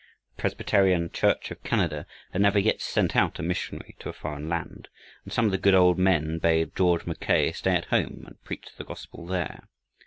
The Presbyterian Church of Canada had never yet sent out a missionary to a foreign land, and some of the good old men bade George Mackay stay at home and preach the gospel there.